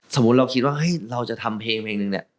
สมมุติเราคิดว่าเฮ้ยเราจะทำเพลงเพลงนึงเนี่ย